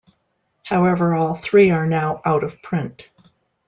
However, all three are now out of print.